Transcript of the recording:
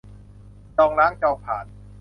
จองล้างจองผลาญ